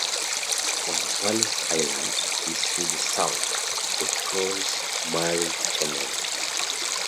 Cornwallis Island is to the south, across Maury Channel.